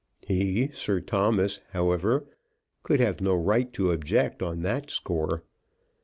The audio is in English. He, Sir Thomas, however, could have no right to object on that score.